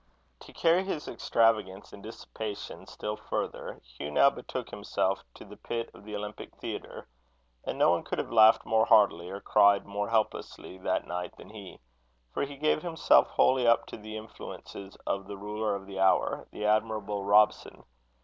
To carry his extravagance and dissipation still further, Hugh now betook himself to the pit of the Olympic Theatre; and no one could have laughed more heartily, or cried more helplessly, that night, than he; for he gave himself wholly up to the influences of the ruler of the hour, the admirable Robson.